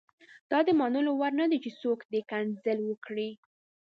دا د منلو وړ نه دي چې څوک دې کنځل وکړي.